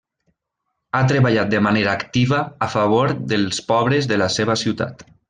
Ha treballat de manera activa a favor dels pobres de la seva ciutat.